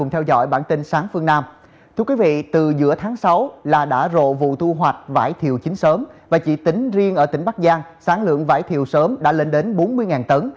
thưa quý vị từ giữa tháng sáu là đã rộ vụ thu hoạch vải thiều chín sớm và chỉ tính riêng ở tỉnh bắc giang sáng lượng vải thiều sớm đã lên đến bốn mươi tấn